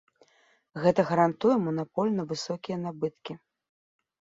Гэта гарантуе манапольна высокія набыткі.